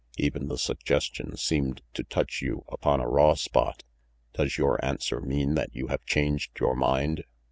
Even the suggestion seemed to touch you upon a raw spot. Does your answer mean that you have changed your mind?"